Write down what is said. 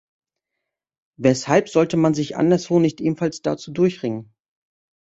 Weshalb sollte man sich anderswo nicht ebenfalls dazu durchringen?